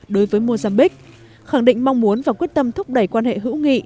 đối với mozambique khẳng định mong muốn và quyết tâm thúc đẩy quan hệ hữu nghị